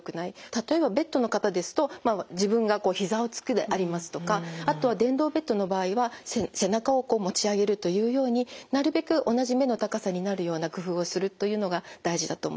例えばベッドの方ですと自分がこうひざをつくでありますとかあとは電動ベッドの場合は背中をこう持ち上げるというようになるべく同じ目の高さになるような工夫をするというのが大事だと思います。